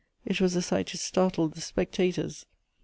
It was a sight to startle the spectators.